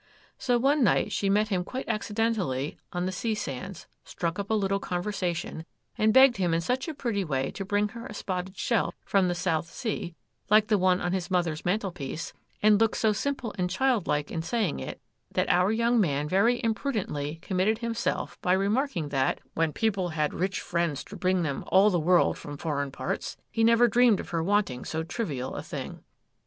So, one night, she met him quite accidentally on the sea sands, struck up a little conversation, and begged him in such a pretty way to bring her a spotted shell from the South Sea, like the one on his mother's mantelpiece, and looked so simple and childlike in saying it, that our young man very imprudently committed himself by remarking, that, 'When people had rich friends to bring them all the world from foreign parts, he never dreamed of her wanting so trivial a thing.